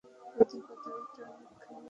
ওদের কথাবার্তা অনেকখানি কানে পৌঁছল।